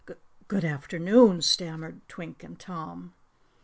"G g g good afternoon!" stammered Twink and Tom.